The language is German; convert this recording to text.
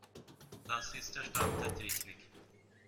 Das ist der Stand der Technik.